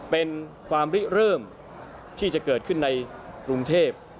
เป็นความริเริ่มที่จะเกิดขึ้นในกรุงเทพ